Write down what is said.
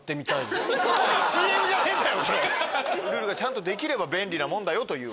ルールがちゃんとできれば便利なもんだよという。